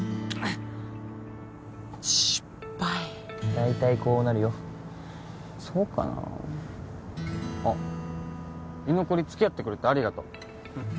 失敗大体こうなるよそうかなああっ居残り付き合ってくれてありがとう